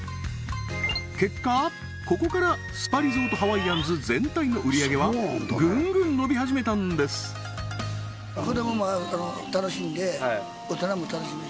結果ここからスパリゾートハワイアンズ全体の売り上げはぐんぐん伸び始めたんです三つ子？